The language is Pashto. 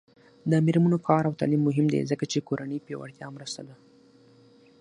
د میرمنو کار او تعلیم مهم دی ځکه چې کورنۍ پیاوړتیا مرسته ده.